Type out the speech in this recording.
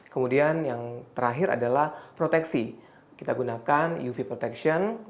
kemudian yang terakhir adalah proteksi kita gunakan uv protection